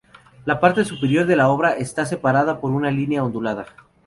La parte superior de la obra está separada por una línea ondulada.